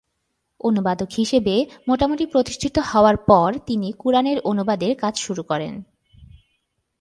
অনুবাদক হিসেবে মোটামুটি প্রতিষ্ঠিত হওয়ার পর তিনি কুরআনের অনুবাদের কাজ শুরু করেন।